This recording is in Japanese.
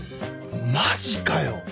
マジかよ。